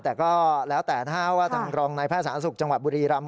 แต่ก็แล้วแต่ถ้าว่าหลังรองนายแพทย์ศาลสุขจังหวัดบุรีรำ